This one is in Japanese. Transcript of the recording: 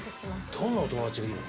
どんなお友だちがいるの？